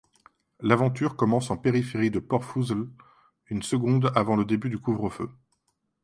L'aventure commence en périphérie de Port Foozle, une seconde avant le début du couvre-feu.